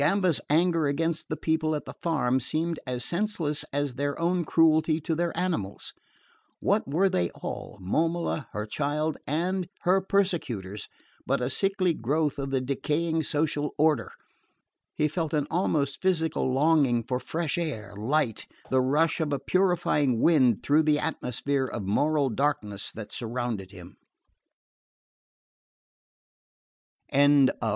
Gamba's anger against the people at the farm seemed as senseless as their own cruelty to their animals. What were they all Momola, her child, and her persecutors but a sickly growth of the decaying social order? He felt an almost physical longing for fresh air, light, the rush of a purifying wind through the atmosphere of moral darkness that surrounded him.